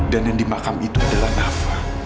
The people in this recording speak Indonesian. dan yang di makam itu adalah nafa